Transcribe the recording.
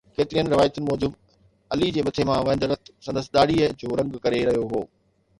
ڪيترين روايتن موجب علي جي مٿي مان وهندڙ رت سندس ڏاڙهيءَ جو رنگ ڪري رهيو هو